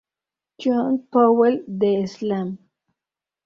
John Powell de "Slam!